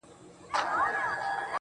شېخ د خړپا خبري پټي ساتي~